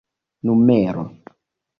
numero